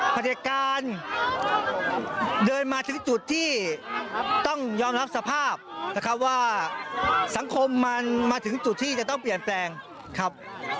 ประเด็จการเดินมาถึงจุดที่ต้องยอมรับสภาพนะครับว่าสังคมมันมาถึงจุดที่จะต้องเปลี่ยนแปลงครับ